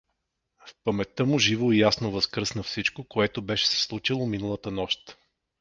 В паметта му живо и ясно възкръсна всичко, което беше се случило миналата нощ.